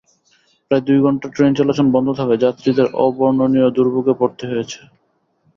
প্রায় দুই ঘণ্টা ট্রেন চলাচল বন্ধ থাকায় যাত্রীদের অবর্ণনীয় দুর্ভোগে পড়তে হয়েছে।